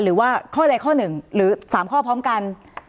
หรือว่าข้อใดข้อหนึ่งหรือ๓ข้อพร้อมกัน